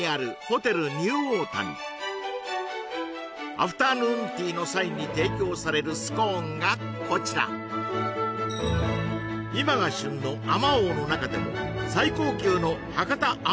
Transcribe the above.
アフタヌーンティーの際に提供されるスコーンがこちら今が旬のあまおうの中でも最高級の博多あ